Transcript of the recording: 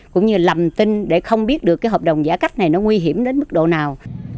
cũng như lầm tin để không biết được cái hợp đồng giả cách này nó nguy hiểm đến mức độ nào